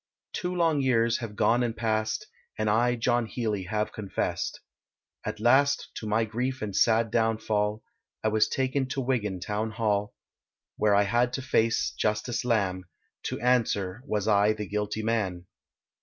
Two long years have gone and pass'd, And I, John Healey, have confessed. At last to my grief and sad downfall, I was taken to Wigan Town Hall, Where I had to face Justice Lamb, To answer was I the guilty man.